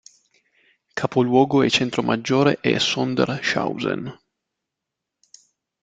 Capoluogo e centro maggiore è Sondershausen.